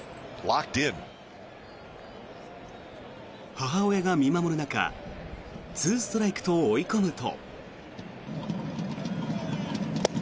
母親が見守る中２ストライクと追い込むと。